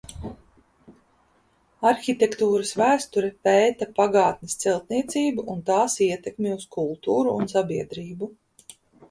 Arhitektūras vēsture pēta pagātnes celtniecību un tās ietekmi uz kultūru un sabiedrību.